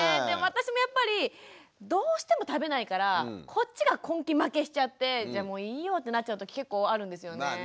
でも私もやっぱりどうしても食べないからこっちが根気負けしちゃって「じゃあもういいよ」ってなっちゃう時結構あるんですよね。